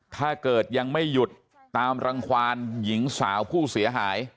ถ้าเกิดยังไม่หยุดตามรังความหญิงสาวผู้เสียหาย